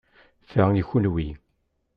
Ta i kenwi.